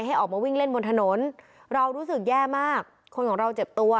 ให้ออกมาวิ่งเล่นบนถนนเรารู้สึกแย่มากคนของเราเจ็บตัว